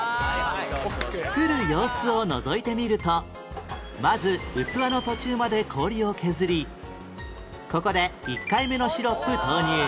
作る様子をのぞいてみるとまず器の途中まで氷を削りここで１回目のシロップ投入